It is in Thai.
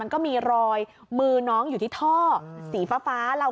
ป้าของน้องธันวาผู้ชมข่าวอ่อน